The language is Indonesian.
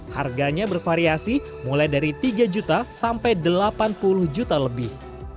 harganya bervariasi mulai dari tiga juta sampai delapan puluh juta lebih